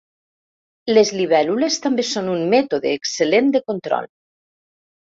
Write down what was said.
Les libèl·lules també són un mètode excel·lent de control.